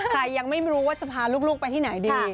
ใครยังไม่รู้จะพาลูกไปที่ไหนดี